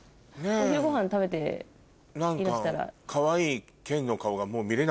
お昼ごはん食べていらしたら。